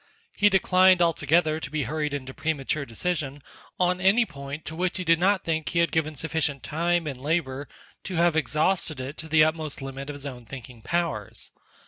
He declined altogether to be hurried into premature de cision on any point to which he did not think he had X INTRODUCTORY NOTICE given sufficient time and labour to have exhausted it to the utmost limit of his own thinking powers.